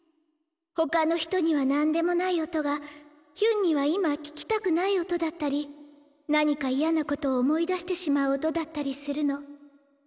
他の人には何でもない音がヒュンには今聴きたくない音だったり何か嫌な事を思い出してしまう音だったりするの。